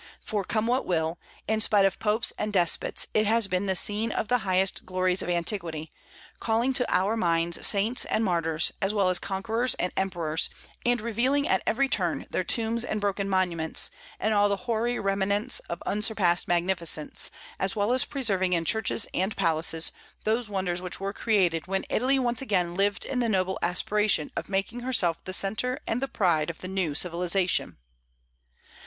For, come what will, in spite of popes and despots it has been the scene of the highest glories of antiquity, calling to our minds saints and martyrs, as well as conquerors and emperors, and revealing at every turn their tombs and broken monuments, and all the hoary remnants of unsurpassed magnificence, as well as preserving in churches and palaces those wonders which were created when Italy once again lived in the noble aspiration of making herself the centre and the pride of the new civilization.